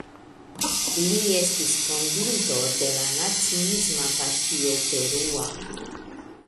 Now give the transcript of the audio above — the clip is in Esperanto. Li estis fondinto de la Naciisma Partio Perua.